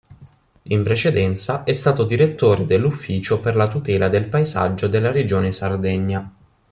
In precedenza è stato Direttore dell'ufficio per la tutela del paesaggio della regione Sardegna.